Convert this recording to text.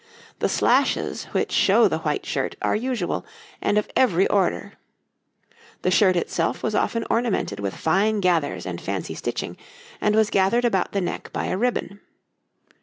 The slashes, which show the white shirt, are usual, and of every order. The shirt itself was often ornamented with fine gathers and fancy stitching, and was gathered about the neck by a ribbon.